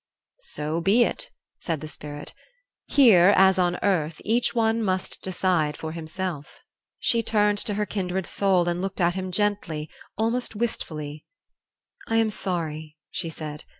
"So be it," said the Spirit. "Here, as on earth, each one must decide for himself." She turned to her kindred soul and looked at him gently, almost wistfully. "I am sorry," she said.